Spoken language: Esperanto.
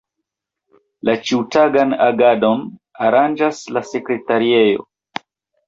La ĉiutagan agadon aranĝas la Sekretariejo.